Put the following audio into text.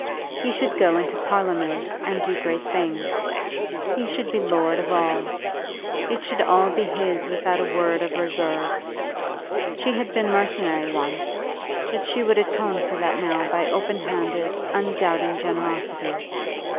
He should go into Parliament, and do great things. He should be lord of all. It should all be his without a word of reserve. She had been mercenary once, but she would atone for that now by open handed, undoubting generosity.